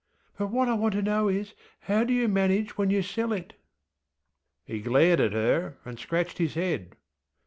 ŌĆśBut what I want to know is, how do you manage when you sell it? ŌĆÖ He glared at her, and scratched his head.